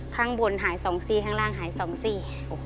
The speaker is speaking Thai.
ข้างบนหาย๒ซีข้างล่างหาย๒ซี